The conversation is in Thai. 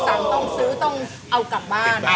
เอสเอ็มแอล